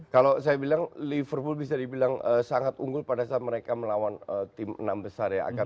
kalau saya bilang liverpool bisa dibilang sangat unggul pada saat mereka melawan tim enam besar ya